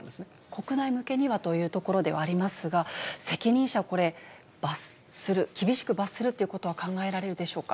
国内向けにはというところではありますが、責任者、これ、罰する、厳しく罰するということは考えられるでしょうか。